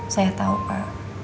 saya tau pak